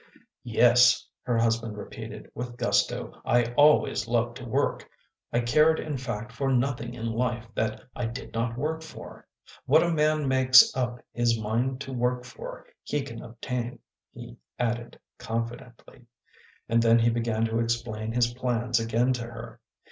Yes," her husband repeated, with gusto, " I always loved to work. I cared in fact for nothing in life that I did not work for. What a man makes up his mind to work for, he can obtain," he added confidently. And then he began to explain his plans again to her.